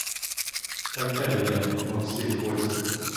Та й те людям, мов сіль в оці.